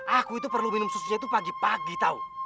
aku itu perlu minum susunya itu pagi pagi tau